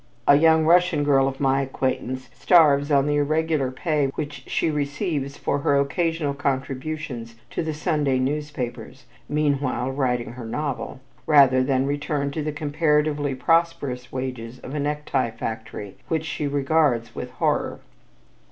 A young Russian girl of my acquaintance starves on the irregular pay which she receives for her occasional contributions to the Sunday newspapers meanwhile writing her novel rather than return to the comparatively prosperous wages of a necktie factory which she regards with horror.